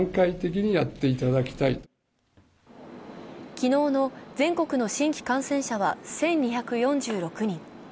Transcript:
昨日の全国の新規感染者は１２４６人。